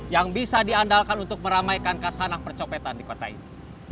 yang bisa diandalkan untuk meramaikan kasanah percopetan di kota ini